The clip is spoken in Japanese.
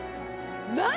「何？